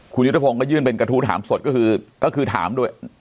คุณยุทธพงศ์ก็ยื่นเป็นกระทู้ถามสดก็คือก็คือถามด้วย